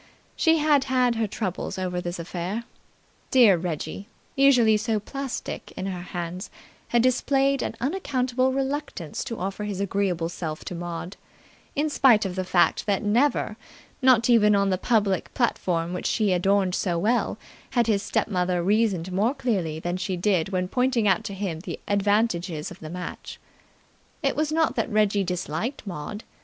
She had had her troubles over this affair. Dear Reggie, usually so plastic in her hands, had displayed an unaccountable reluctance to offer his agreeable self to Maud in spite of the fact that never, not even on the public platform which she adorned so well, had his step mother reasoned more clearly than she did when pointing out to him the advantages of the match. It was not that Reggie disliked Maud.